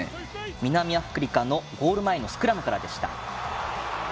南アフリカのゴール前のスクラムからでした。